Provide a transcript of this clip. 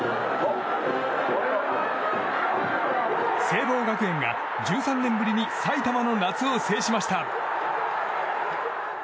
聖望学園が１３年ぶりに埼玉の夏を制しました。